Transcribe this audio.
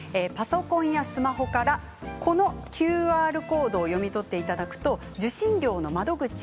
パソコンやスマホからこのＱＲコードを読み取っていただくと、受信料の窓口